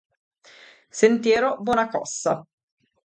Sentiero Bonacossa